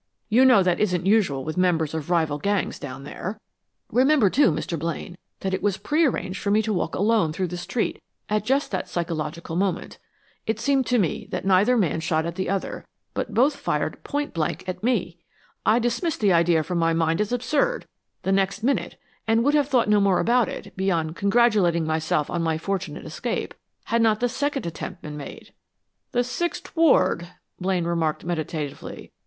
You know that isn't usual with the members of rival gangs down there. Remember, too, Mr. Blaine, that it was prearranged for me to walk alone through that street at just that psychological moment. It seemed to me that neither man shot at the other, but both fired point blank at me. I dismissed the idea from my mind as absurd, the next minute, and would have thought no more about it, beyond congratulating myself on my fortunate escape, had not the second attempt been made." "The sixth ward " Blaine remarked, meditatively.